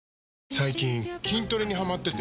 最近筋トレにハマってて。